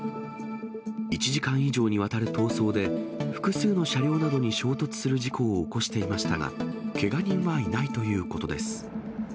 １時間以上にわたる逃走で、複数の車両などに衝突する事故を起こしていましたが、けが人はいないということです。